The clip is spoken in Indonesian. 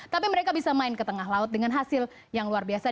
tapi mereka bisa main ke tengah laut dengan hasil yang luar biasa